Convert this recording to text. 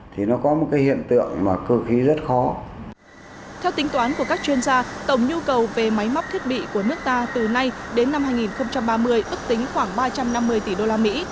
theo tính toán của các chuyên gia tổng nhu cầu về máy móc thiết bị của nước ta từ nay đến năm hai nghìn ba mươi ước tính khoảng ba trăm năm mươi tỷ đô la mỹ